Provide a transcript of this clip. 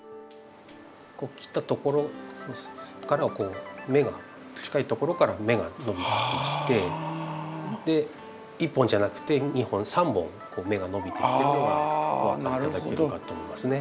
切ったところから芽が近いところから芽が伸びてきまして１本じゃなくて２本３本芽が伸びてきてるのがお分かり頂けるかと思いますね。